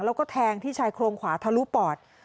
แล้วก็แทงที่ชายโครงขวาทะลุปอด